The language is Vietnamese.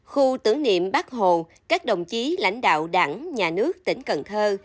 khu tưởng niệm bắc hồ các đồng chí lãnh đạo đảng nhà nước tỉnh cần thơ